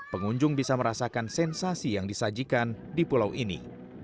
pengunjung bisa merasakan sensasi yang disajikan di pulau ini